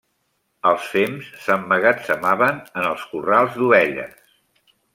Els fems s'emmagatzemaven en els corrals d'ovelles.